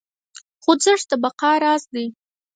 خوځښت د بقا راز دی.